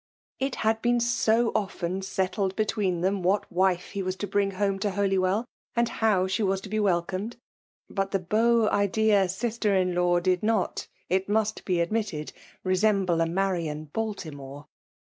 It had been so often settled between them what wife he was to bring home to Holy wellj and how she was to be welcomed ; but the beau ideal sister in law did not, it must bo admittedj resemble a Marian Baltimore.